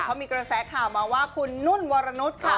เขามีกระแสข่าวมาว่าคุณนุ่นวรนุษย์ค่ะ